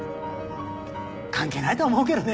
関係ないと思うけどね。